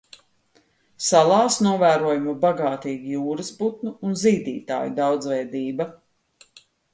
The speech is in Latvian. Salās novērojama bagātīga jūrasputnu un zīdītāju daudzveidība.